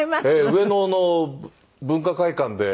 上野の文化会館で。